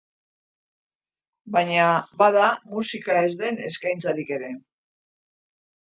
Baina bada musika ez den eskaintzarik ere.